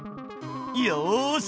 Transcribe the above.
よし！